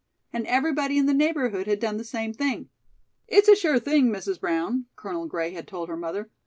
And everybody in the neighborhood had done the same thing. "It's a sure thing, Mrs. Brown," Colonel Gray had told her mother.